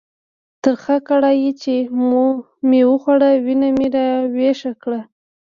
ترخه کړایي چې مې وخوړه، وینه مې را ویښه کړه.